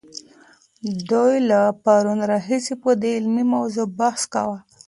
دوی له پرون راهیسې په دې علمي موضوع بحث کاوه.